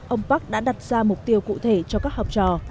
ông park đã đặt ra mục tiêu cụ thể cho các học trò